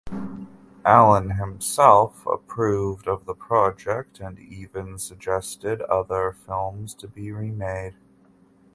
Allen himself approved of the project and even suggested other films to be remade.